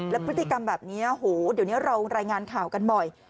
แล้วพฤติกรรมแบบนี้โหเดี๋ยวนี้เรารายงานข่าวกันบ่อย